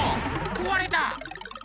こわれた！